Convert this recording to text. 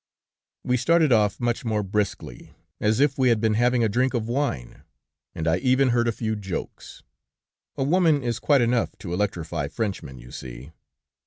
"We started off much more briskly, as if we had been having a drink of wine, and I even heard a few jokes. A woman is quite enough to electrify Frenchmen, you see.